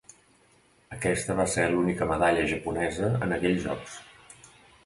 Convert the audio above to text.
Aquesta va ser l'única medalla japonesa en aquells Jocs.